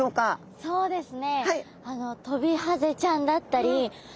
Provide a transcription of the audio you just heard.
そうですね。